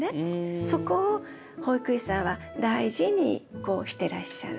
そこを保育士さんは大事にしてらっしゃる。